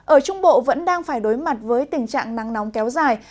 ở trung bộ vẫn đang phải đối mặt với tình trạng nắng nóng kéo dài